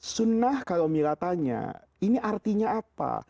sunnah kalau mila tanya ini artinya apa